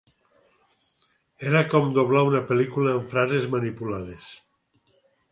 Era com doblar una pel·lícula amb frases manipulades.